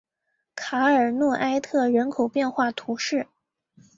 卡尔诺埃特人口变化图示